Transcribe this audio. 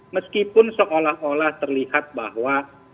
meskipun seolah olah terlihat bahwa